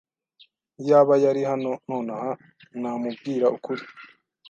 Iyaba yari hano nonaha, namubwira ukuri.